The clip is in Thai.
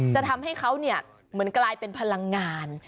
จะทำให้เขาเหมือนกลายเป็นพลังงาน